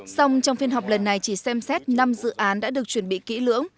xong trong phiên họp lần này chỉ xem xét năm dự án đã được chuẩn bị kỹ lưỡng